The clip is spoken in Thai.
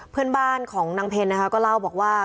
เพื่อนบ้านของนางเพลนะคะก็เล่าบอกว่า